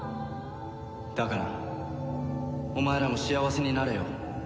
だからお前らも幸せになれよ。